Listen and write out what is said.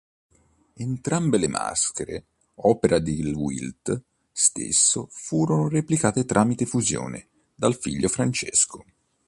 Entrambe le maschere, opera del Wildt stesso, furono replicate tramite fusione dal figlio Francesco.